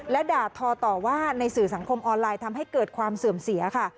และด่าทอต่อว่าในสื่อสังคมออนไลน์ทำให้เกิดความเสื่อมเสียค่ะ